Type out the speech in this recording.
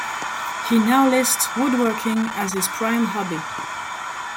He now lists woodworking as his prime hobby.